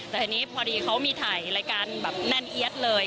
แต่ทีนี้พอดีเขามีถ่ายรายการแบบแน่นเอี๊ยดเลย